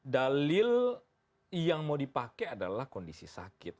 dalil yang mau dipakai adalah kondisi sakit